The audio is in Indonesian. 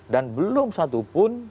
dan belum satupun